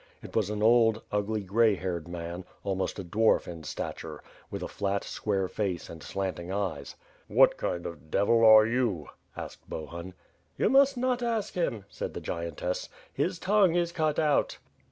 It was an old, ugly, gray haired men; almost a dwarf in stature; with a flat, square face and slanting eyes. 'TVhat kind of a devil are you?" asked Bohun. "You must not ask him," said the giantess, "His tongue is cut out."